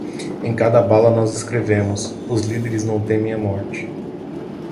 Em cada bala nós escrevemos: os líderes não temem a morte